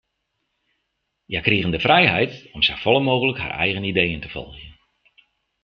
Hja krigen de frijheid om safolle mooglik har eigen ideeën te folgjen.